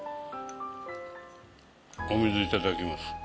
お水いただきます。